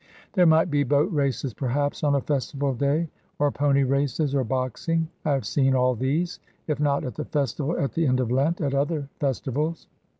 There might be boat races, perhaps, on a festival day, or pony races, or boxing. I have seen all these, if not at the festival at the end of Lent, at other festivals.